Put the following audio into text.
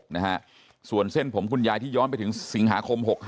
นะฮะส่วนเส้นผมคุณยายที่ย้อนไปถึงสิงหาคม๖๕